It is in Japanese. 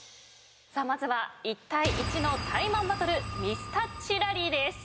まずは１対１のタイマンバトルミスタッチラリーです。